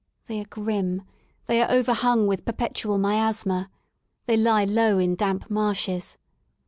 They are grim, they are overhung with perpetual miasma, they lie low in damp marshes.